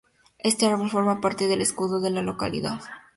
Este árbol forma parte del escudo de la localidad.